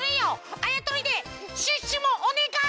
あやとりでシュッシュもおねがい！